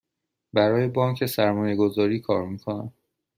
برای بانک سرمایه گذاری کار می کنم.